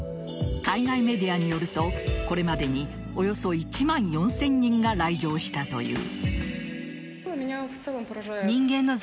海外メディアによるとこれまでにおよそ１万４０００人が来場したという。